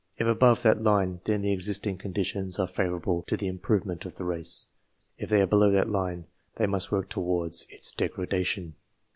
If above that line, then the existing con ditions are favourable to the improvement of the race. If they are below that line, they must work towards its degradation.